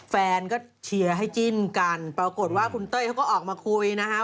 แฟนก็เชียร์ให้จิ้นกันปรากฏว่าคุณเต้ยเขาก็ออกมาคุยนะฮะ